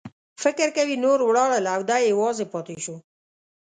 فکر کوي نور ولاړل او دی یوازې پاتې شو.